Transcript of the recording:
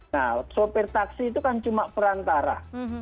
nah sopir taksi itu kan cuma perantara